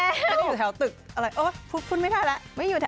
ไม่ใช่เต้นไปอยู่แถวตึกอะไรอ๋อพูดไม่ได้แล้ว